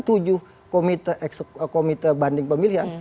tujuh komite banding pemilihan